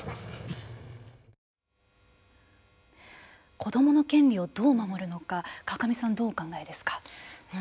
子どもの権利をどう守るのか川上さんはどうお考えですか。